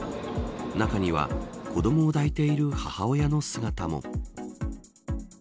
中には、子どもを抱いている母親の姿も。